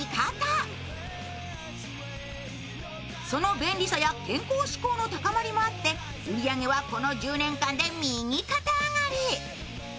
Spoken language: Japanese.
その便利さや健康志向の高まりもあって売り上げはこの１０年間で右肩上がり。